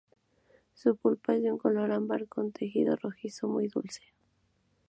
Su pulpa es de un color ámbar con tinte rojizo, muy dulce.